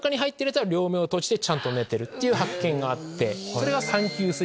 それが。